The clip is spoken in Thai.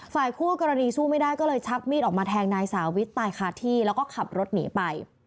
ฝ่ายคู่กรณีสู้ไม่ได้ก็เลยชักมีดออกมาแทงนายสาวิทตายคาที่แล้วก็ขับรถหนีไป